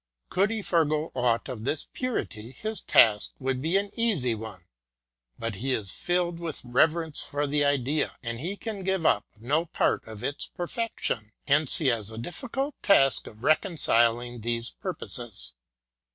Could he forego aught of this purity, his task would be an easy one; but he is filled with reverence for the Idea, and he can give up no part of its perfection. Hence he has the difficult task of reconciling these purposes.